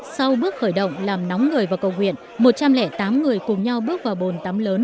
sau bước khởi động làm nóng người vào cầu nguyện một trăm linh tám người cùng nhau bước vào bồn tắm lớn